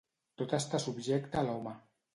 Tot està subjecte a l'home.